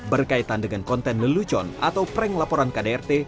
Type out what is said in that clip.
berkaitan dengan konten lelucon atau prank laporan kdrt